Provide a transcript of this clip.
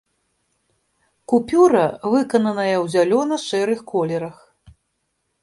Купюра выкананая ў зялёна-шэрых колерах.